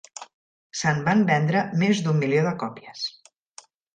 Se'n van vendre més d'un milió de còpies.